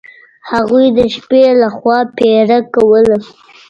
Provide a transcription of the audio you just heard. هغوی د شپې له خوا پیره کوله.